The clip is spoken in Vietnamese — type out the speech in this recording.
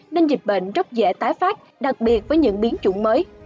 nên dịch bệnh rất dễ tái phát đặc biệt với những biến chủng mới